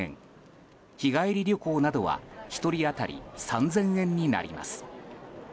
日帰り旅行などは、１人当たり３０００円になります。